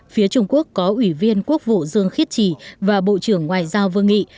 phía trung quốc có ủy viên quốc vụ dương khiết trì và bộ trưởng ngoại giao vương nghị